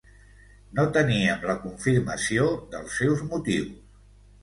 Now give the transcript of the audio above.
No teníem la confirmació dels seus motius.